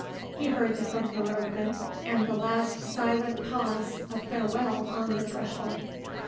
He heard the front door open and the last silent pause of farewell on the threshold.